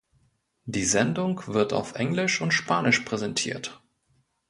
Die Sendung wird auf Englisch und Spanisch präsentiert.